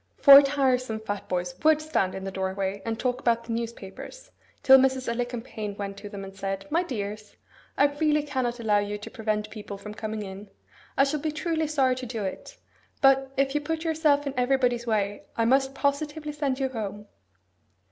Four tiresome fat boys would stand in the doorway, and talk about the newspapers, till Mrs. Alicumpaine went to them and said, 'My dears, I really cannot allow you to prevent people from coming in. I shall be truly sorry to do it; but, if you put yourself in everybody's way, I must positively send you home.